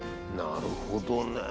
なるほどねえ。